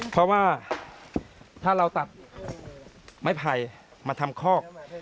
เพราะว่าถ้าเราตัดไม้ไผ่มาทำคอก